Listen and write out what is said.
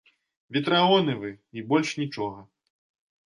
Ветрагоны вы, і больш нічога.